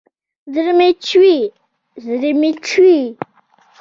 زړه مې چوي ، زړه مې چوي